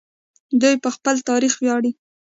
دوی په خپل تاریخ ویاړي.